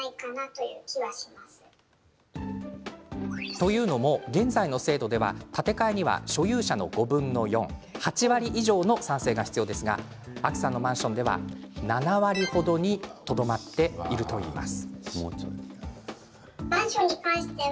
というのも現在の制度では建て替えには所有者の５分の４８割以上の賛成が必要ですがアキさんのマンションでは７割程にとどまっているといいます。